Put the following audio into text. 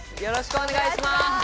よろしくお願いします。